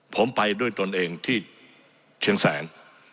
ผมไปด้วยตนเองที่เชียงแสน